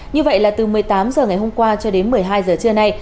như vậy là từ một mươi tám h ngày hôm qua cho đến một mươi hai giờ trưa nay